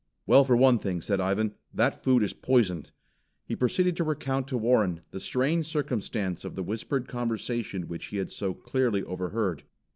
"Well, for one thing," said Ivan, "that food is poisoned." He proceeded to recount to Warren, the strange circumstance of the whispered conversation which he had so clearly overheard.